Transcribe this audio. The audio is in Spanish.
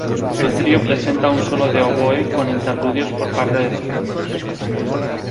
El trío presenta un solo de oboe con interludios por parte de los vientos.